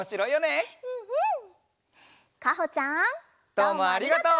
どうもありがとう！